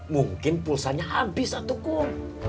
mungkin pulsanya habis atau kok